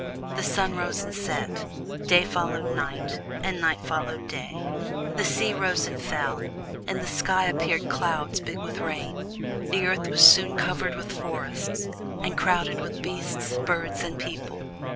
The sun rose and set; day followed night, and night followed day; the sea rose and fell; in the sky appeared clouds big with rain; the earth was soon covered with forests, and crowded with beasts, birds, and people.